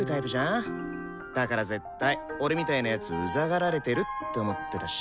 だから絶対俺みたいな奴うざがられてるって思ってたし。